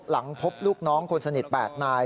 หลังพบลูกน้องคนสนิท๘นาย